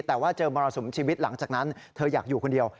แต่ว่าเจอมรสุมชีวิตหลังจากนั้นเธออยากอยู่คนเดียว